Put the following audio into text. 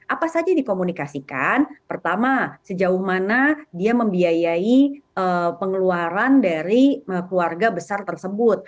apa saja dikomunikasikan pertama sejauh mana dia membiayai pengeluaran dari keluarga besar tersebut